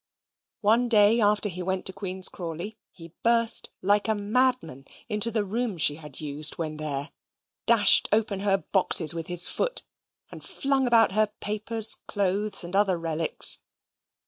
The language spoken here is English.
One day after he went to Queen's Crawley, he burst like a madman into the room she had used when there dashed open her boxes with his foot, and flung about her papers, clothes, and other relics.